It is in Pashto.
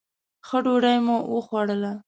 ښه ډوډۍ مو وخوړله.